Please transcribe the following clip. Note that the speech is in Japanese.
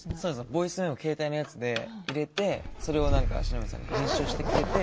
ボイスメモを携帯のやつで入れてそれを篠宮さんが編集してくれて。